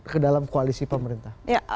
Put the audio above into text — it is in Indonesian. ke dalam koalisi pemerintah